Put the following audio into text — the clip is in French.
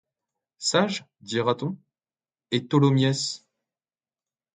Sage? dira-t-on ? et Tholomyès ?